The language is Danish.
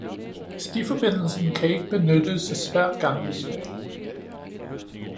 Stiforbindelsen kan ikke benyttes af svært gangbesværede.